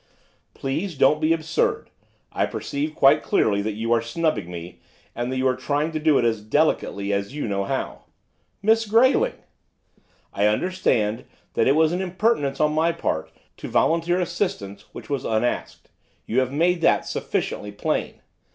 'Please don't be absurd! I perceive quite clearly that you are snubbing me, and that you are trying to do it as delicately as you know how.' 'Miss Grayling!' 'I understand that it was an impertinence on my part to volunteer assistance which was unasked; you have made that sufficiently plain.